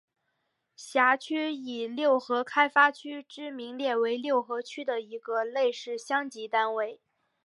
辖区以六合开发区之名列为六合区的一个类似乡级单位。